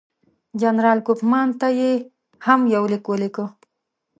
جنرال کوفمان ته یې هم یو لیک ولیکه.